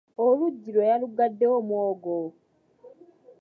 Oluggi lwe yaluggaddewo mwogo